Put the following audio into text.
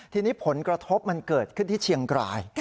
ทีนี้ผลกระทบมันเกิดขึ้นที่เชียงราย